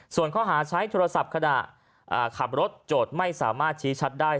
ส่วนข้อหาใช้โทรศัพท์ขณะขับรถโจทย์ไม่สามารถชี้ชัดได้